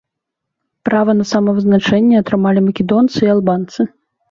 Права на самавызначэнне атрымалі македонцы і албанцы.